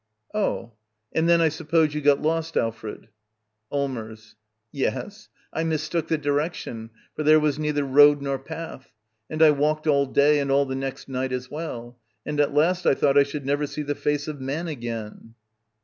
Oh; and then, I suppose, you got lost, Alfred? Allmers. Yes; I mistook the direction, for there was neither road nor path. And I walked all day, and all the next night as well. And at last I thought I should never see the face of man again.